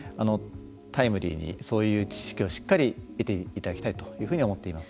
タイムリーにそういう知識をしっかり得ていただきたいというふうに思っています。